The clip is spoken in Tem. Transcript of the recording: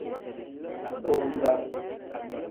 Booza.